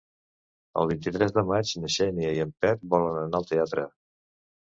El vint-i-tres de maig na Xènia i en Pep volen anar al teatre.